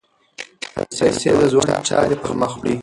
پیسې د ژوند چارې پر مخ وړي.